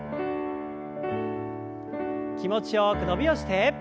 気持ちよく伸びをして。